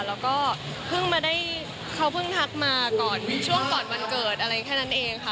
แล้วก็เพิ่งมาได้เขาเพิ่งทักมาก่อนช่วงก่อนวันเกิดอะไรแค่นั้นเองค่ะ